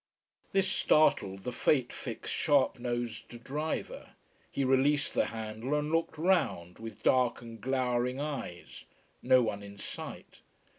This startled the fate fixed, sharp nosed driver. He released the handle and looked round, with dark and glowering eyes. No one in sight.